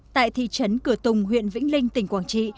tại thị trấn cửa tùng huyện vĩnh linh tỉnh quảng trị